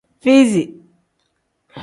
Fizi.